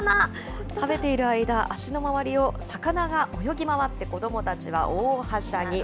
食べている間、脚の周りを魚が泳ぎ回って、子どもたちは大はしゃぎ。